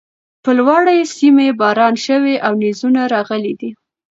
پر لوړۀ سيمه باران شوی او نيزونه راغلي دي